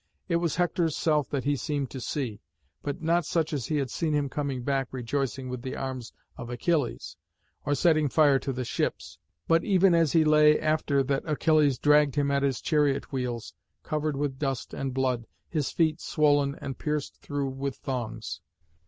It was Hector's self that he seemed to see, but not such as he had seen him coming back rejoicing with the arms of Achilles, or setting fire to the ships, but even as he lay after that Achilles dragged him at his chariot wheels, covered with dust and blood, his feet swollen and pierced through with thongs.